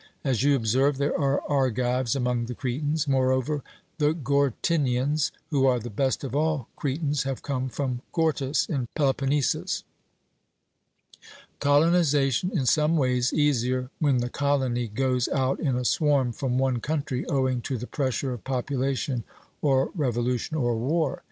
As you observe, there are Argives among the Cretans; moreover the Gortynians, who are the best of all Cretans, have come from Gortys in Peloponnesus.' Colonization is in some ways easier when the colony goes out in a swarm from one country, owing to the pressure of population, or revolution, or war.